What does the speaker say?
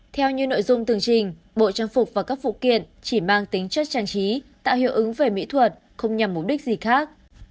theo như nội dung tường trình bộ trang phục và các phụ kiện chỉ mang tính chất trang trí tạo hiệu ứng về mỹ thuật không nhằm mục đích gì khác